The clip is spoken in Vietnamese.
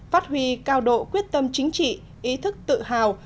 phát huy cao độ quyết tâm chính trị ý thức tự hào